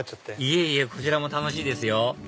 いえいえこちらも楽しいですよ